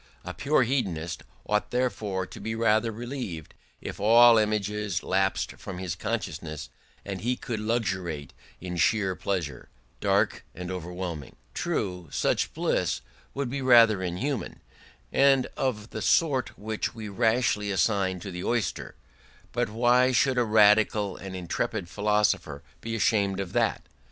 A pure hedonist ought therefore to be rather relieved if all images lapsed from his consciousness and he could luxuriate in sheer pleasure, dark and overwhelming. True, such bliss would be rather inhuman, and of the sort which we rashly assign to the oyster: but why should a radical and intrepid philosopher be ashamed of that?